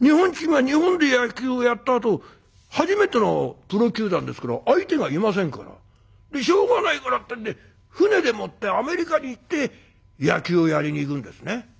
日本チームは日本で野球をやったあと初めてのプロ球団ですから相手がいませんからしょうがないからってんで船でもってアメリカに行って野球をやりに行くんですね。